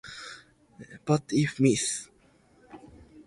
But if Mis.